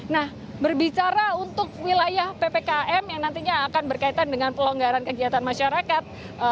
nah berbicara untuk wilayah ppkm yang nantinya akan berkaitan dengan pelonggaran kegiatan masyarakat